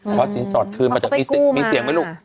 ขอสินสอดคืนมาจากมีเสียงมีเสียงไหมลูก